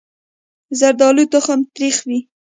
زردالو تخم تریخ وي.